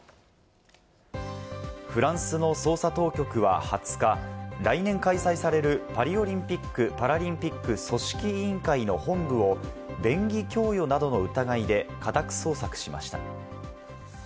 フランスの捜査当局は２０日、来年開催されるパリオリンピック・パラリンピック組織委員会の本部を便宜供与などの疑いで家宅捜索しました。